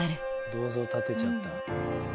銅像建てちゃった。